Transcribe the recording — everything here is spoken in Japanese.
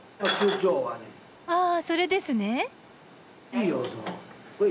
あそれですね。